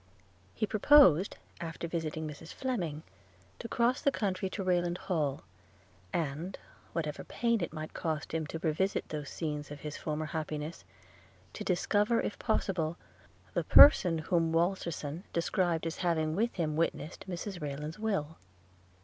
He proposed, after visiting Mrs Fleming, to cross the country to Rayland Hall; and, whatever pain it might cost him to revisit those scenes of his former happiness, to discover, if possible, the person whom Walterson described as having with him witnessed Mrs Rayland's will.